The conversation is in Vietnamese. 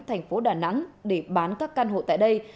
thành phố đà nẵng để bán các căn hộ tại đây